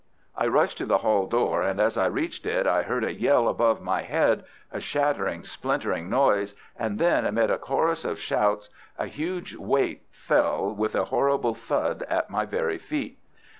I rushed to the hall door, and as I reached it I heard a yell above my head, a shattering, splintering noise, and then amid a chorus of shouts a huge weight fell with a horrible thud at my very feet.